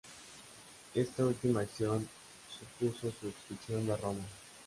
Esta última acción supuso su expulsión de Roma.